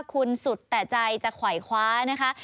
คุณสุดแต่ใจจะไขวคว้านะคะ